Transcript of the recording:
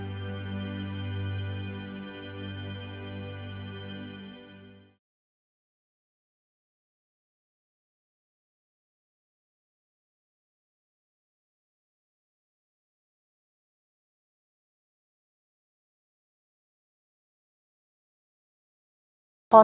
พระอาจารย์มีชีวิตละรวม